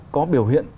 có biểu hiện